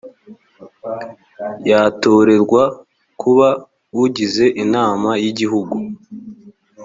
yatorerwa kuba ugize inama y igihugu